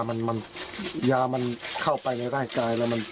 มันยามันเข้าไปในร่างกายแล้วมัน